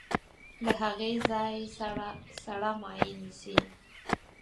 د هغې ځای سړه مایع نیسي.